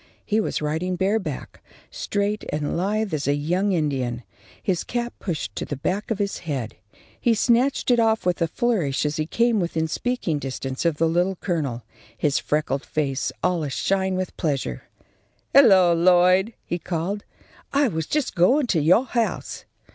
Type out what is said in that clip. He was riding bareback, straight and lithe as a young Indian, his cap pushed to the back of his head. He snatched it off with a flourish as he came within speaking distance of the Little Colonel, his freckled face all ashine with pleasure. "Hello! Lloyd," he called, "I was just going to your house."